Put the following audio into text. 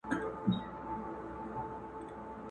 په کوټه کي یې وهلې خرچیلکي،